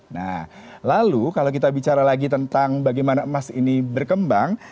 nah lalu kalau kita bicara lagi tentang bagaimana emas ini berkembang